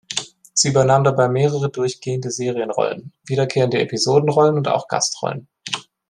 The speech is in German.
Sie übernahm dabei mehrere durchgehende Serienrollen, wiederkehrende Episodenrollen und auch Gastrollen.